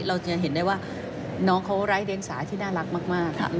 เราจะเห็นได้ว่าน้องเขาไร้เดียงสาที่น่ารักมาก